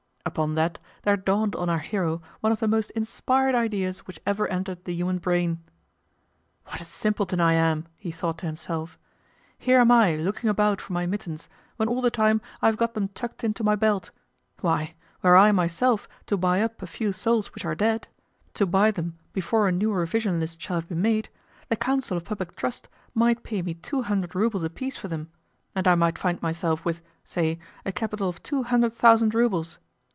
Upon that there dawned on our hero one of the most inspired ideas which ever entered the human brain. "What a simpleton I am!" he thought to himself. "Here am I looking about for my mittens when all the time I have got them tucked into my belt. Why, were I myself to buy up a few souls which are dead to buy them before a new revision list shall have been made, the Council of Public Trust might pay me two hundred roubles apiece for them, and I might find myself with, say, a capital of two hundred thousand roubles!